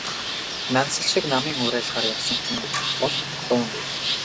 Нансал шиг намын уриалгаар явсан хүн бол дуун дээр...